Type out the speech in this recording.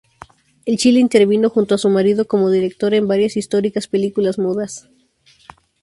En Chile intervino junto a su marido como director, en varias históricas películas mudas.